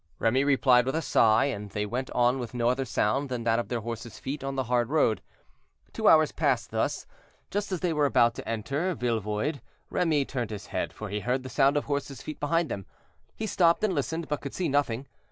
Remy replied with a sigh, and they went on with no other sound than that of their horses' feet on the hard road. Two hours passed thus. Just as they were about to enter Vilvoide, Remy turned his head, for he heard the sound of horses' feet behind them. He stopped and listened, but could see nothing.